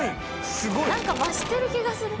何か増してる気がする。